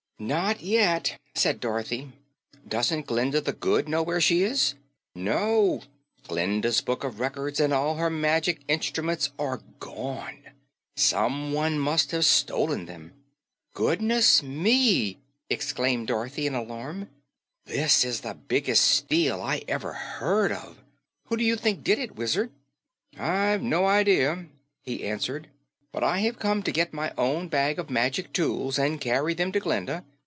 "Not yet," said Dorothy. "Doesn't Glinda the Good know where she is?" "No. Glinda's Book of Records and all her magic instruments are gone. Someone must have stolen them." "Goodness me!" exclaimed Dorothy in alarm. "This is the biggest steal I ever heard of. Who do you think did it, Wizard?" "I've no idea," he answered. "But I have come to get my own bag of magic tools and carry them to Glinda.